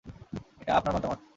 এটা আপনার মতামত।